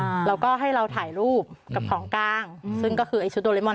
เราก็ให้เราถ่ายรูปกับของกลางอืมซึ่งก็คือไอ้ชุดโดเรมอ